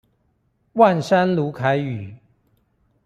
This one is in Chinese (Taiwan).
萬山魯凱語